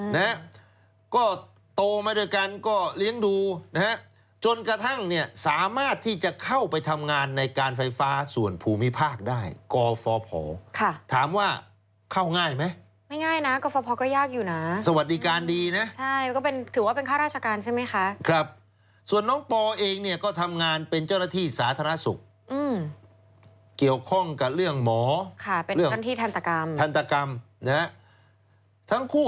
นะฮะก็โตมาด้วยกันก็เลี้ยงดูนะฮะจนกระทั่งเนี่ยสามารถที่จะเข้าไปทำงานในการไฟฟ้าส่วนภูมิภาคได้กฟภค่ะถามว่าเข้าง่ายไหมไม่ง่ายนะกฟภก็ยากอยู่นะสวัสดีการณ์ดีนะใช่ก็เป็นถือว่าเป็นข้าราชการใช่ไหมคะครับส่วนน้องปอเองเนี่ยก็ทำงานเป็นเจ้าหน้าที่สาธารณสุขเกี่ยวข้องกับเรื่อง